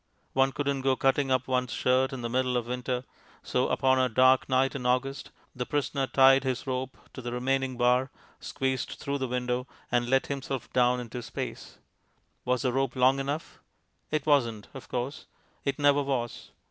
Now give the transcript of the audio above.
One couldn't go cutting up one's shirt in the middle of winter. So, upon a dark night in August, the prisoner tied his rope to the remaining bar, squeezed through the window, and let himself down into space. Was the rope long enough? It wasn't, of course; it never was.